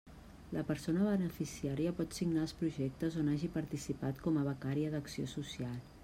La persona beneficiària pot signar els projectes on hagi participat com a becària d'acció social.